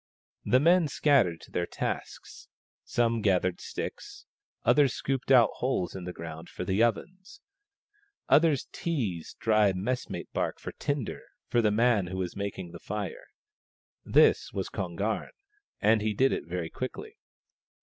The men scattered to their tasks. Some gathered sticks ; others scooped out holes in the ground for the ovens ; others teased dry messmate bark for tinder for the man who was making the fire. This was Kon garn, and he did it very quickly.